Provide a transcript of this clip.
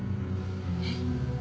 えっ？